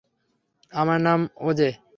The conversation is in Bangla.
আমার নাম ওজে।